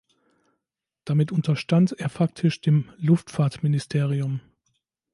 Damit unterstand er faktisch dem Luftfahrtministerium.